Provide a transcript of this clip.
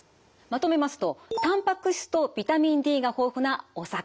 まとめますとたんぱく質とビタミンＤが豊富なお魚。